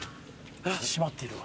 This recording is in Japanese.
閉まってるわ。